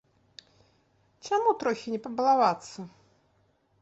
Чаму трохі не пабалавацца?